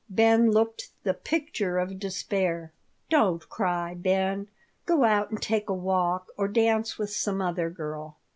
Ben looked the picture of despair "Don't cry, Ben. Go out and take a walk, or dance with some other girl."